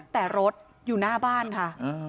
แต่รถอยู่หน้าบ้านค่ะ